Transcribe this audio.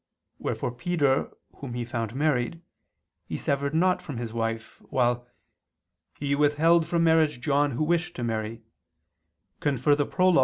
Wherefore Peter whom He found married, He severed not from his wife, while "He withheld from marriage John who wished to marry" [*Prolog.